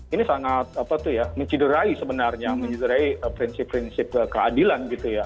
ini sangat apa tuh ya menciderai sebenarnya mencederai prinsip prinsip keadilan gitu ya